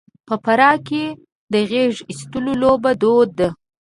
په فراه کې د غېږاېستلو لوبه دود ده.